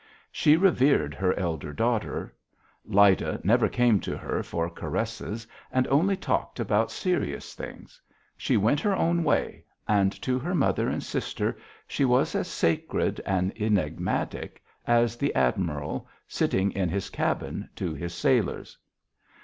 She revered her elder daughter. Lyda never came to her for caresses, and only talked about serious things: she went her own way and to her mother and sister she was as sacred and enigmatic as the admiral, sitting in his cabin, to his sailors.